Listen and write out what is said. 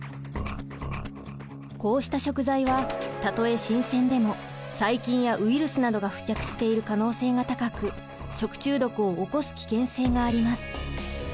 こうした食材はたとえ新鮮でも細菌やウイルスなどが付着している可能性が高く食中毒を起こす危険性があります。